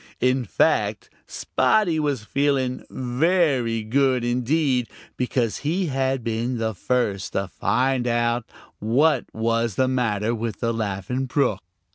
In fact, Spotty was feeling very good indeed, because he had been the first to find out what was the matter with the Laughing Brook.